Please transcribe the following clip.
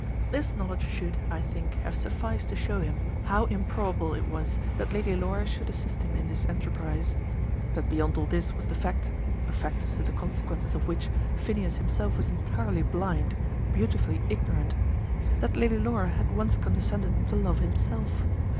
This knowledge should, I think, have sufficed to show him how improbable it was that Lady Laura should assist him in his enterprise. But beyond all this was the fact, a fact as to the consequences of which Phineas himself was entirely blind, beautifully ignorant, that Lady Laura had once condescended to love himself.